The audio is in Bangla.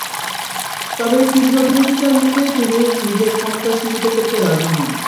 তবে তীব্র বিরোধিতার মুখে তিনি নিজের ক্ষমতা সীমিত করতে রাজি হন।